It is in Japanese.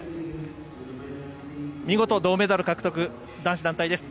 見事、銅メダル獲得男子団体です。